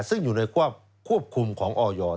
ซึ่งอยู่ในควบคุมของออย